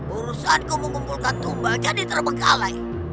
urusan ku mengumpulkan tumba jadi terbekalai